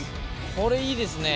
これいいですね。